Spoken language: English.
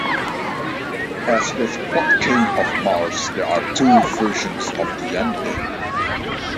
As with "Podkayne of Mars", there are two versions of the ending.